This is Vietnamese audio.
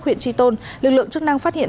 huyện tri tôn lực lượng chức năng phát hiện